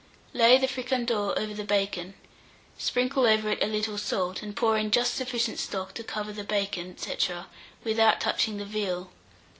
Lay the fricandeau over the bacon, sprinkle over it a little salt, and pour in just sufficient stock to cover the bacon, &c., without touching the veal.